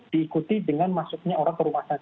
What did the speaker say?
diikuti dengan maksudnya orang orangnya